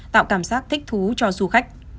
tạo cảm giác thích thú cho du khách